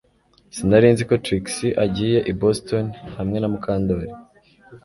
Sinari nzi ko Trix agiye i Boston hamwe na Mukandoli